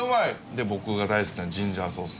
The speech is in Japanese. で僕が大好きなジンジャーソース。